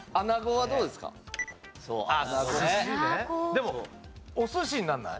でもお寿司にならない？